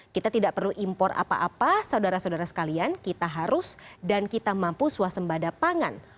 kita tidak perlu impor apa apa saudara saudara sekalian kita harus dan kita mampu swasembada pangan